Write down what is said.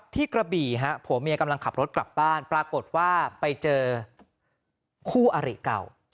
กระบี่ฮะผัวเมียกำลังขับรถกลับบ้านปรากฏว่าไปเจอคู่อริเก่า